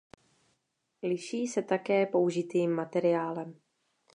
Liší se také použitým materiálem.